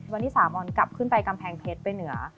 วันที่สามอนกลับขึ้นไปกำแพงเพชรไปเหนือ